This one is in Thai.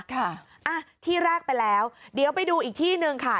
ค่ะที่แรกไปแล้วเดี๋ยวไปดูอีกที่หนึ่งค่ะ